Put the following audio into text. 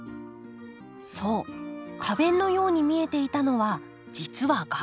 そう花弁のように見えていたのは実はがく片。